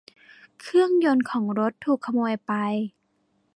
เครื่องยนต์ของรถถูกขโมยไป